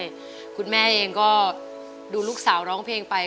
แล้วก็เห็นสายตามุ่งมั่นของคนที่เป็นลูกที่แม่นั่งอยู่ตรงนี้ด้วย